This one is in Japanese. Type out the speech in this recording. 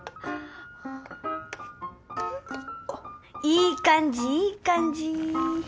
いい感じいい感じ。